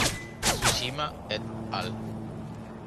Tsushima et al.